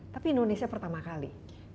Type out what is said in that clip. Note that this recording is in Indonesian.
tapi indonesia pertama kali